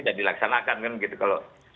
dan dilaksanakan kan begitu kalau